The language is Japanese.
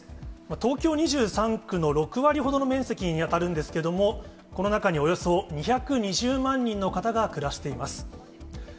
東京２３区の６割ほどの面積に当たるんですけども、この中に、およそ２２０万人の方が暮らしています。